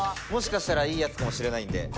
もしかしたらいいやつかもしれないんで。